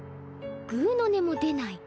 ぐうの音も出ない。